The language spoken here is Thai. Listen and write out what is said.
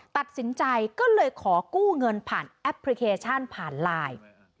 ตัดสินใจก็เลยขอกู้เงินผ่านแอปพลิเคชันผ่านไลน์